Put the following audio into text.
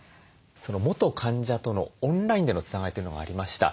元患者とのオンラインでのつながりというのがありました。